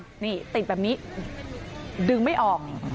แล้วจะถึงปลายทางนี่ติดแบบนี้ดึงไม่ออก